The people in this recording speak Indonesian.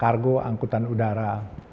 horoskop pengangkutan udara